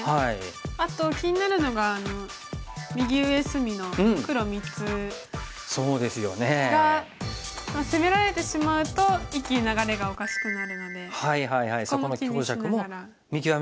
あと気になるのが右上隅の黒３つが攻められてしまうと一気に流れがおかしくなるのでそこも気にしながら。